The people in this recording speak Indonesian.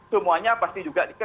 semuanya pasti juga